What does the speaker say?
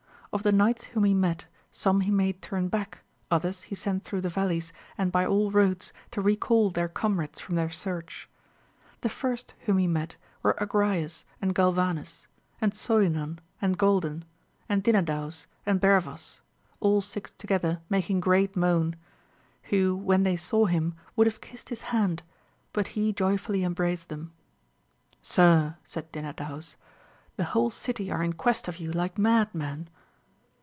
Of the knights whom he met, some he made turn back, others he sent through the vallies and by all roads to recal their comrades from their search. The first whom he met were Agrayes and Galvanes, and Solinan and Galdan, and Dinadaus ahd Bervas, all six together making great moan ; who when they saw him would have kissed his hand, but he joyfully embraced them. Sir, said Dinadaus, the whole city are in quest of you like mad men.